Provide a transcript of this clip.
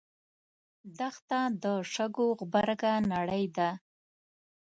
دښته د شګو غبرګه نړۍ ده.